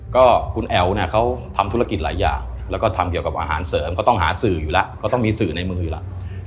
ก็คุณแอ๋วเนี่ยเขาทำธุรกิจหลายอย่างแล้วก็ทำเกี่ยวกับอาหารเสริมเขาต้องหาสื่ออยู่แล้วก็ต้องมีสื่อในมืออยู่แล้ว